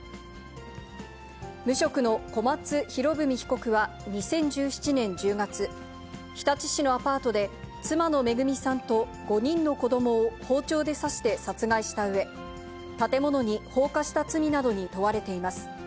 無職の小松博文被告は２０１７年１０月、日立市のアパートで妻の恵さんと５人の子どもを包丁で刺して殺害したうえ、建物に放火した罪などに問われています。